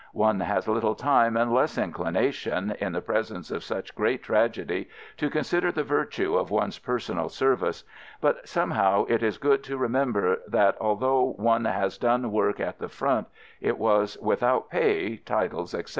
One has little time and less inclina tion, in the presence of such great tragedy, to consider the virtue of one's personal service, but somehow it is good to remem ber that, although one has done work at the front, it was without pay, titles, etc.